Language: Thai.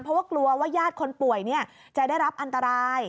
เพราะว่ากลัวว่าญาติคนป่วยจะได้รับอันตราย